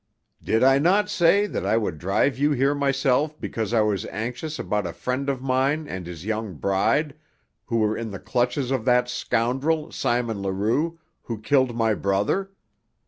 "Did I not say that I would drive you here myself because I was anxious about a friend of mine and his young bride who were in the clutches of that scoundrel, Simon Leroux, who killed my brother?